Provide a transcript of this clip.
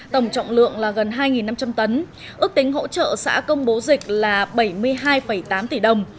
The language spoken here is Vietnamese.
tổng trọng lượng là gần hai năm trăm linh tấn ước tính hỗ trợ xã công bố dịch là bảy mươi hai tám tỷ đồng